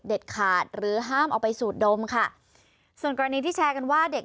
ขาดหรือห้ามเอาไปสูดดมค่ะส่วนกรณีที่แชร์กันว่าเด็ก